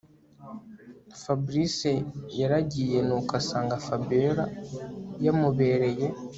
Fabric yaragiye nuko asanga Fabiora yamubereye